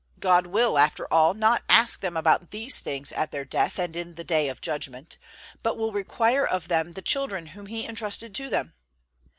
God will, after all, not ask them about these things at their death and in the day of judgment, but will require of them the children whom He entrusted to them.